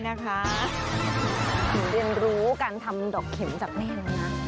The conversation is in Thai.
นะคะเรียนรู้การทำดอกเข็มจับแน่แล้วน่ะ